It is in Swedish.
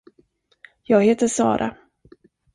Jag heter Sara.